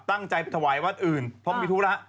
ตั้งใจถวายวัดอื่นเพราะมีธุระ